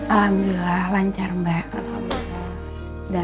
alhamdulillah lancar banget